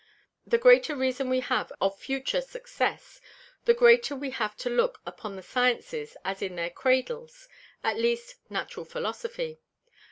The greater reason we have of future Success, the greater we have to look upon the Sciences as in their Cradles, at least Natural Philosophy.